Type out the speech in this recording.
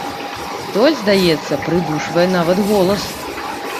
Столь, здаецца, прыдушвае нават голас.